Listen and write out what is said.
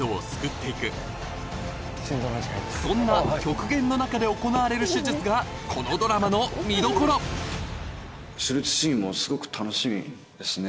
そんな極限の中で行われる手術がこのドラマの見どころ手術シーンもすごく楽しみですね